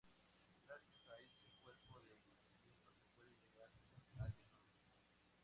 Gracias a ese cuerpo de conocimiento se puede llegar al diagnóstico.